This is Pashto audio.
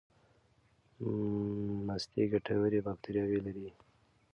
مستې ګټورې باکتریاوې لري.